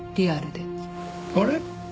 あれ？